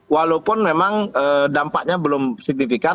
walaupun memang dampaknya belum signifikan